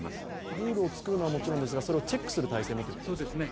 ルールを作るのはもちろんですが、それをチェックする体制もですね。